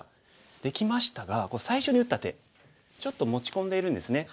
できましたが最初に打った手ちょっと持ち込んでいるんですね。